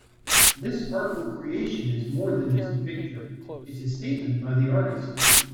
This artful creation is more than just a picture, it's a statement by the artist.